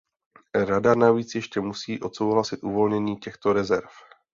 Rada navíc ještě musí odsouhlasit uvolnění těchto rezerv.